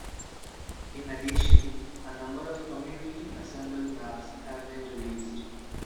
In addition, a number of community assembled maps have been released.